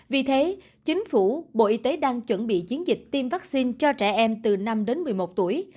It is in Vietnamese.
vì thế chính phủ bộ y tế đang chuẩn bị chiến dịch tiêm vaccine cho trẻ em từ năm đến một mươi một tuổi